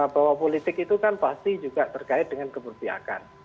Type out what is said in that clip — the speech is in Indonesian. bahwa politik itu kan pasti juga terkait dengan keberpiakan